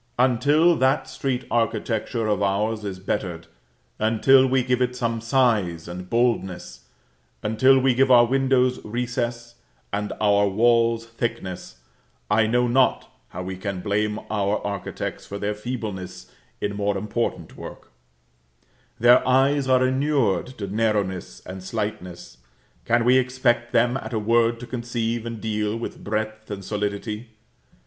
Until that street architecture of ours is bettered, until we give it some size and boldness, until we give our windows recess, and our walls thickness, I know not how we can blame our architects for their feebleness in more important work; their eyes are inured to narrowness and slightness: can we expect them at a word to conceive and deal with breadth and solidity?